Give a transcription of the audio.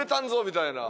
みたいな。